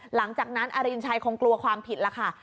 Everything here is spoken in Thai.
หลังจากนั้นอรินชัยคงกลัวความผิดแล้วค่ะ